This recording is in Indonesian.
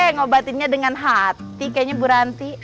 ngebatinnya dengan hati kayaknya bu ranti